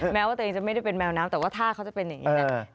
แม้ว่าตัวเองจะไม่ได้เป็นแมวน้ำแต่ว่าท่าเขาจะเป็นอย่างนี้นะ